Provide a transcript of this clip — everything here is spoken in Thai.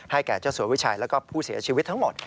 แก่เจ้าสัววิชัยแล้วก็ผู้เสียชีวิตทั้งหมด